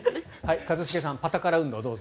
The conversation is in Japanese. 一茂さん、パタカラ運動どうぞ。